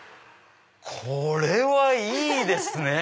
これはいいですね！